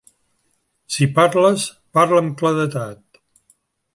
Si parles, parla amb claredat.